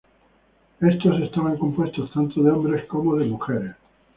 Estos estaban compuestos tanto de hombres como de mujeres.